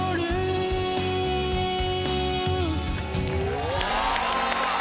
うわ！